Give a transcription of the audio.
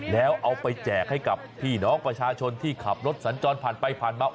แล้วเอาไปแจกให้กับพี่น้องประชาชนที่ขับรถสัญจรผ่านไปผ่านมา